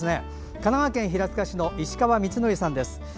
神奈川県平塚市の石川明範さんです。